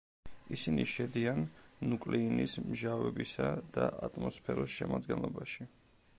ისინი შედიან ნუკლეინის მჟავებისა და ატმოსფეროს შემადგენლობაში.